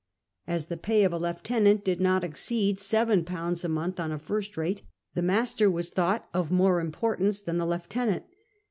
As the pay of a lieutenant did not exceed £7 a month on a First Rate, the master was thought of more import ance than a lieutenant.